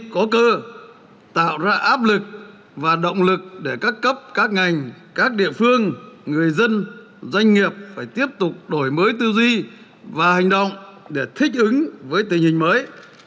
có cơ tạo ra áp lực và động lực để các cấp các ngành các địa phương người dân doanh nghiệp phải tiếp tục đổi mới tư duy và hành động để thích ứng với tình hình mới